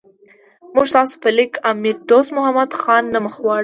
موږ ستاسو په لیک امیر دوست محمد خان نه مخ واړاو.